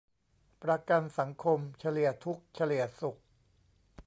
ประกันสังคม เฉลี่ยทุกข์เฉลี่ยสุข